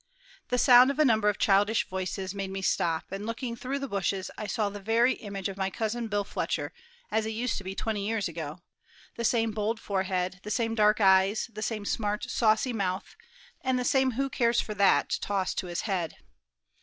The sound of a number of childish voices made me stop, and, looking through the bushes, I saw the very image of my Cousin Bill Fletcher, as he used to be twenty years ago; the same bold forehead, the same dark eyes, the same smart, saucy mouth, and the same "who cares for that" toss to his head.